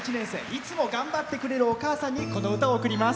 いつも頑張ってくれるお母さんにこの歌を送ります。